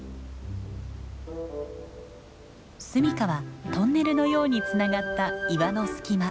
住みかはトンネルのようにつながった岩の隙間。